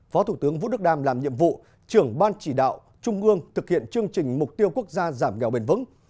phó thủ tướng vũ đức đam làm nhiệm vụ trưởng ban chỉ đạo trung ương thực hiện chương trình mục tiêu quốc gia giảm nghèo bền vững